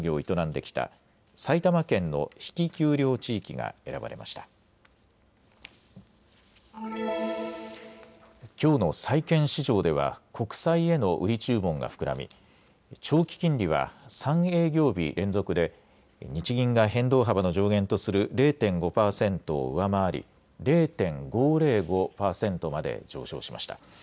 きょうの債券市場では国債への売り注文が膨らみ長期金利は３営業日連続で日銀が変動幅の上限とする０．５％を上回り０．５０５％まで上昇しました。